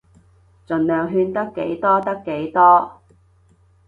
儘量勸得幾多得幾多